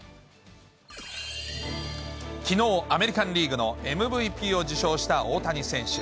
きのう、アメリカンリーグのＭＶＰを受賞した大谷選手。